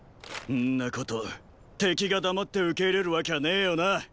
んなこと敵が黙って受け入れるわきゃねーよな。